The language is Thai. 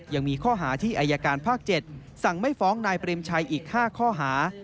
ยังมีข้อหาที่อายการภาค๗สั่งไม่ฟ้องนายเปรมชัยอีก๕ข้อหา